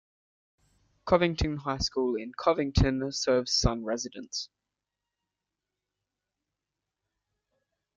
Covington High School in Covington serves Sun residents.